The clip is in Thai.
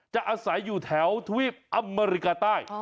อาศัยอยู่แถวทวีปอเมริกาใต้